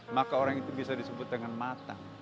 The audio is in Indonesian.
maka orang itu bisa disebut dengan matang